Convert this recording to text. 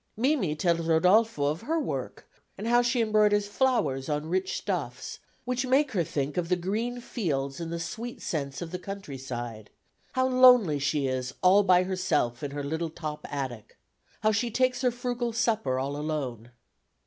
Mimi tells Rodolfo of her work, and how she embroiders flowers on rich stuffs, which make her think of the green fields and the sweet scents of the country side; how lonely she is all by herself in her little top attic; how she takes her frugal supper all alone.